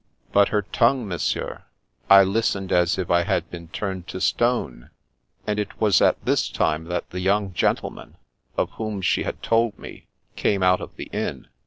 But her tongue! io8 The Princess Passes Monsieur, I listened as if I had been turned to stone. And it was at this time that the young gentleman, of whom she had told me, came out of the inn.